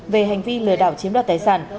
về hành vi lừa đảo chiếm đạt tài sản